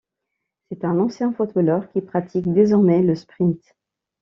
C’est un ancien footballeur qui pratique désormais le sprint.